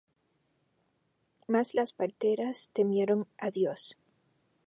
Mas las parteras temieron á Dios.